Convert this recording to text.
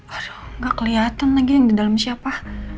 aduh gak kelihatan lagi yang di dalam siapa